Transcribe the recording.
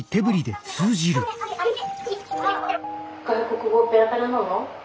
外国語ペラペラなの？